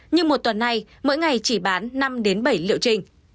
nhưng một tuần này mỗi ngày chỉ bán năm bảy liệu trình